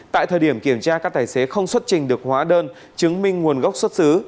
tại thời điểm kiểm tra các tài xế không xuất trình được hóa đơn chứng minh nguồn gốc xuất xứ